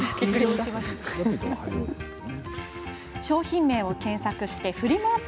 商品名を検索してフリマ